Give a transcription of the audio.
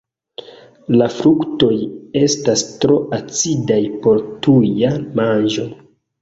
La fruktoj estas tro acidaj por tuja manĝo.